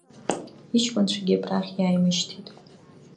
Иҷкәынцәагьы абрахь иааимышьҭит.